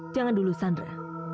jangan dulu sandra